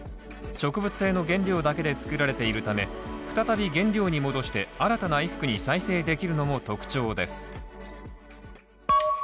植物性の原料だけで作られているため再び原料に戻して新たな衣服に再生できるのも特徴です。